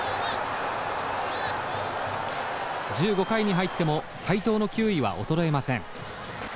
１５回に入っても斎藤の球威は衰えません。